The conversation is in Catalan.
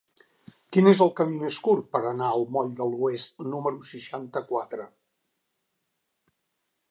Quin és el camí més curt per anar al moll de l'Oest número seixanta-quatre?